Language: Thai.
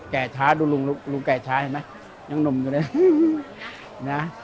แก่ช้าดูลุงแก่ช้าเห็นไหมยังหนุ่มอยู่นี่